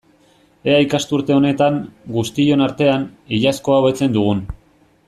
Ea ikasturte honetan, guztion artean, iazkoa hobetzen dugun!